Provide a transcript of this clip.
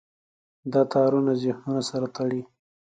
دا تارونه ذهنونه سره تړي.